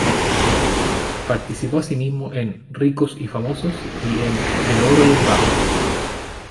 Participó asimismo en "Ricos y famosos" y en "El oro y el barro".